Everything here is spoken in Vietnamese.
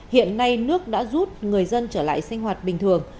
hiện nay nước đã rút người dân trở lại sinh hoạt bình thường